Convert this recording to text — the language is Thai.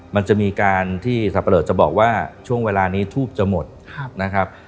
มันจะมีการที่สับปะเลอจะบอกว่าช่วงเวลานี้ทูบจะหมดนะครับ